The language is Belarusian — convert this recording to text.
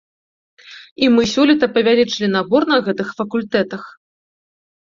І мы сёлета павялічылі набор на гэтых факультэтах.